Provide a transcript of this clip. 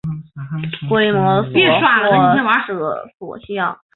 这样的激光器被称为锁模或者锁相。